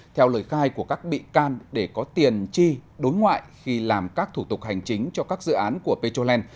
theo lời khai của các bị can để có tiền chi đối ngoại khi làm các thủ tục hành chính cho các dự án của petrolen